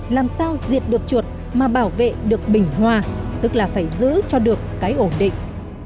làm sao diệt được chuột mà bảo vệ được bình hòa tức là phải giữ cho được cái ổn định